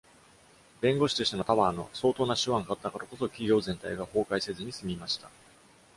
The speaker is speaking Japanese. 弁護士としての Tower の相当な手腕があったからこそ、企業全体が崩壊せずに済みました。